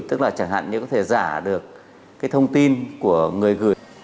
tức là chẳng hạn như có thể giả được cái thông tin của người gửi